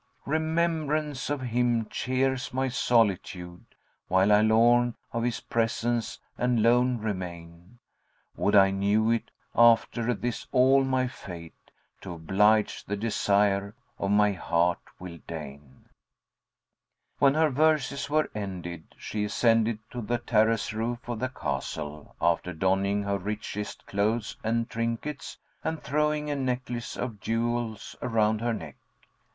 Remembrance of him cheers my solitude, * While I lorn of his presence and lone remain. Would I knew if, after this all, my fate * To oblige the desire of my hear will deign." When her verses were ended, she ascended to the terrace roof of the castle after donning her richest clothes and trinkets and throwing a necklace of jewels around her neck.